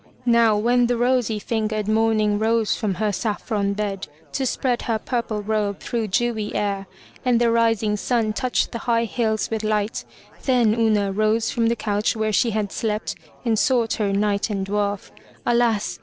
Now when the rosy fingered morning rose from her saffron bed to spread her purple robe through dewy air, and the rising sun touched the high hills with light, then Una rose from the couch where she had slept and sought her Knight and dwarf. Alas!